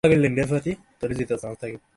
তোমার কথা শুনতে পাইনি।